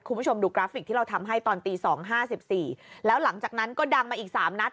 คุณผู้ชมดูกราฟิกที่เราทำให้ตอนตีสองห้าสิบสี่แล้วหลังจากนั้นก็ดังมาอีกสามนัด